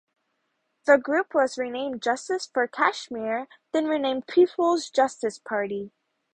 The group was renamed "Justice for Kashmir", then renamed "People's Justice Party.